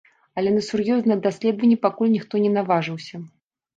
Але на сур'ёзныя даследаванні пакуль ніхто не наважыўся.